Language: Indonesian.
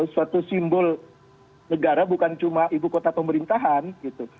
suatu simbol negara bukan cuma ibu kota pemerintahan gitu